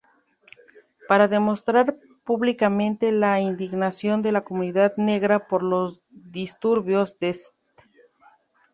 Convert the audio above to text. Para demostrar públicamente la indignación de la comunidad negra por los disturbios de St.